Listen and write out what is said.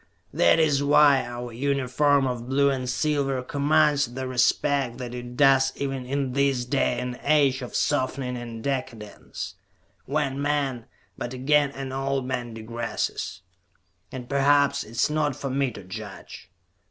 That is why our uniform of blue and silver commands the respect that it does even in this day and age of softening and decadence, when men but again an old man digresses. And perhaps it is not for me to judge.